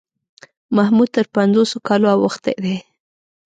محمود تر پنځوسو کالو اوښتی دی.